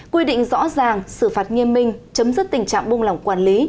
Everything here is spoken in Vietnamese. quy định rõ ràng xử phạt nghiêm minh chấm dứt tình trạng buông lỏng quản lý